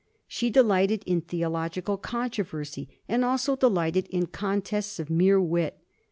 She delighted in theological controversy, and also delighted in con tests of mere wit.